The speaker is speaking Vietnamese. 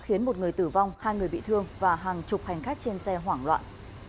khiến một người tử vong hai người bị thương và hàng chục hành khách trên xe hoảng loạn